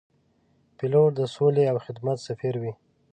پیلوټ د سولې او خدمت سفیر وي.